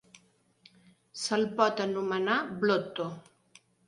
Se'l pot anomenar Blotto.